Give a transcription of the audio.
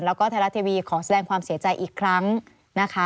แล้วก็ไทยรัฐทีวีขอแสดงความเสียใจอีกครั้งนะคะ